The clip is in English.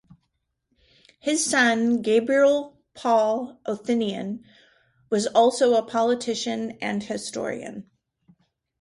His son, Gabriel-Paul-Othenin, was also a politician and historian.